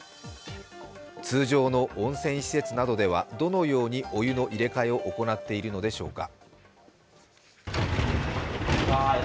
通常の温泉施設などではどのようにお湯の入れ替えを行っているのでしょうか。